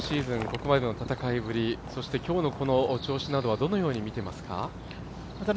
ここまでの戦いぶりそして今日の調子などはどのように見てますか。